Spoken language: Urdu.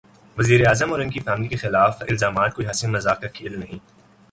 وزیر اعظم اور ان کی فیملی کے خلاف الزامات کوئی ہنسی مذاق کا کھیل نہیں۔